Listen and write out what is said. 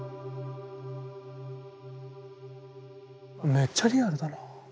めっちゃリアルだな。